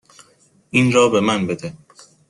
این را به من بده.